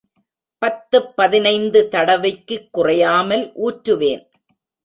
பத்துப் பதினைந்து தடவைக்குக் குறையாமல் ஊற்றுவேன்.